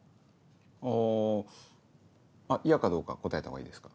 あぁ嫌かどうか答えたほうがいいですか？